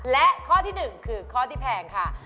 และข้อที่๑คือข้อที่แพงค่ะ